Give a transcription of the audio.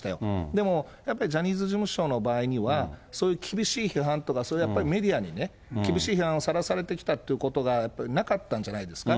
でもやっぱりジャニーズ事務所の場合には、そういう厳しい批判とか、そういうやっぱりメディアにね、厳しい批判をさらされてきたということが、やっぱりなかったんじゃないですか。